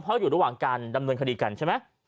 เพราะอยู่ระหว่างการดำเนินคดีกันใช่ไหม